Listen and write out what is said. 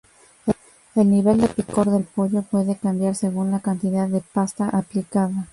El nivel de picor del pollo puede cambiar según la cantidad de pasta aplicada.